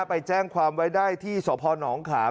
ไปแจ้งความไว้ได้ที่สพนขาม